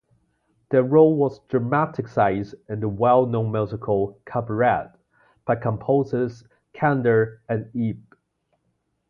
Their role was dramaticized in the well-known musical "Cabaret", by composers Kander and Ebb.